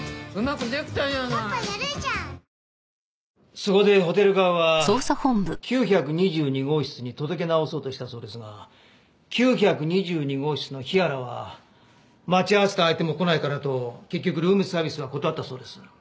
そこでホテル側は９２２号室に届け直そうとしたそうですが９２２号室の日原は待ち合わせた相手も来ないからと結局ルームサービスは断ったそうです。